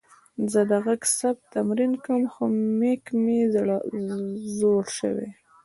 زه د غږ ثبت تمرین کوم، خو میک مې زوړ شوې.